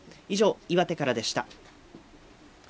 以上、岩手からでした。